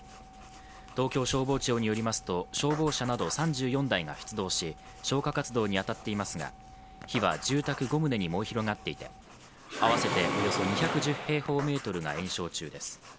東京消防庁によりますと消防車など３４台が出動し消火活動に当たっていますが、火は住宅５棟に燃え広がっていて、合わせておよそ２１０平方メートルが延焼中です。